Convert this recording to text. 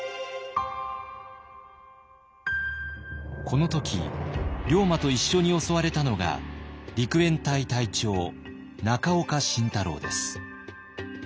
この時龍馬と一緒に襲われたのが陸援隊隊長中岡慎太郎です。